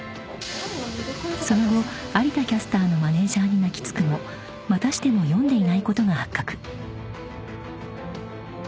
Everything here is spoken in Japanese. ［その後有田キャスターのマネジャーに泣き付くもまたしても読んでいないことが発覚］